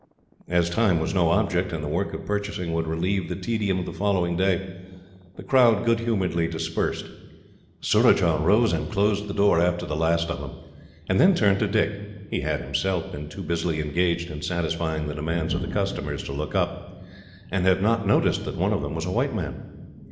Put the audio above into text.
As time was no object, and the work of purchasing would relieve the tedium of the following day, the crowd good humouredly dispersed. Surajah rose and closed the door after the last of them, and then turned to Dick. He had, himself, been too busily engaged in satisfying the demands of the customers to look up, and had not noticed that one of them was a white man.